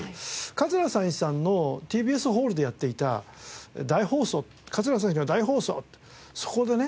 桂三枝さんのＴＢＳホールでやっていた『桂三枝の大放送』ってそこでね